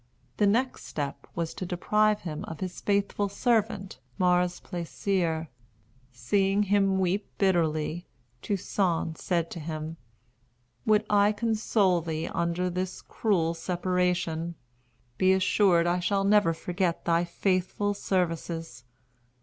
The next step was to deprive him of his faithful servant, Mars Plaisir. Seeing him weep bitterly, Toussaint said to him: "Would I could console thee under this cruel separation. Be assured I shall never forget thy faithful services.